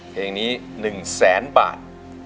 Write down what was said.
เพลงนี้๑แสนบาท